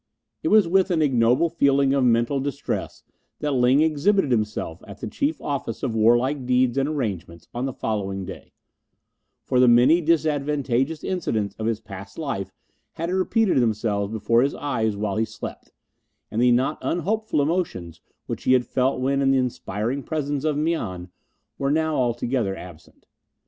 It was with an ignoble feeling of mental distress that Ling exhibited himself at the Chief Office of Warlike Deeds and Arrangements on the following day; for the many disadvantageous incidents of his past life had repeated themselves before his eyes while he slept, and the not unhopeful emotions which he had felt when in the inspiring presence of Mian were now altogether absent.